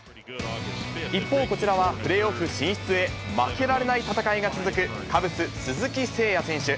一方、こちらはプレーオフ進出へ負けられない戦いが続くカブス、鈴木誠也選手。